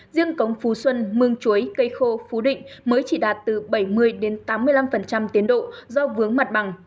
riêng cống phú xuân mương chuối cây khô phú định mới chỉ đạt từ bảy mươi đến tám mươi năm tiến độ do vướng mặt bằng